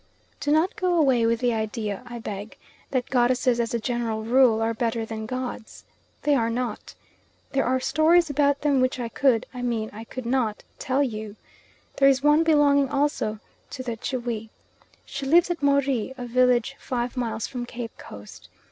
Do not go away with the idea, I beg, that goddesses as a general rule, are better than gods. They are not. There are stories about them which I could I mean I could not tell you. There is one belonging also to the Tschwi. She lives at Moree, a village five miles from Cape Coast.